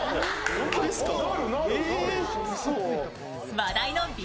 話題のＢ